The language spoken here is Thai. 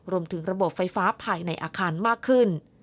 รวมถึงระบบไฟฟ้าภายในอาคารมากขึ้น